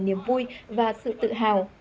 niềm vui và sự tự hào